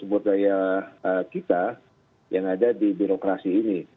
sumber daya kita yang ada di birokrasi ini